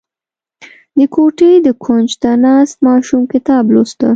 • د کوټې د کونج ته ناست ماشوم کتاب لوسته.